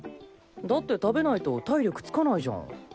だって食べないと体力つかないじゃん。